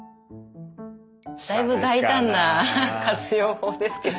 だいぶ大胆な活用法ですけどね。